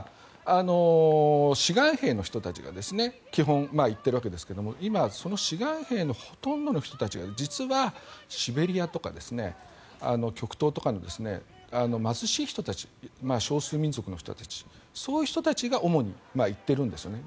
志願兵の人たちが基本、行っているわけですが今その志願兵のほとんどの人たちが、実はシベリアとか極東とかの貧しい人たち少数民族の人たちそういう人たちが主に行っているんですよね。